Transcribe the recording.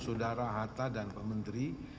saudara hatta dan pak menteri